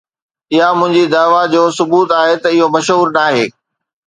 اها منهنجي دعويٰ جو ثبوت آهي ته اهو مشهور ناهي